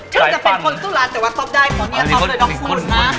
ฉันจะเป็นคนสุราชแต่ว่าตอบได้ขอเนียตอบเป็นดอกคุณนะ